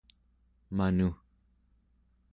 manu